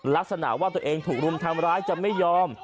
ลักษณะว่าตัวเองถูกรุมทำร้ายจะไม่ยอม